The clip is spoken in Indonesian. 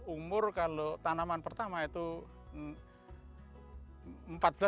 umur kalau tanaman pertama itu empat belas sampai delapan belas bulan